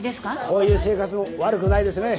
こういう生活も悪くないですね。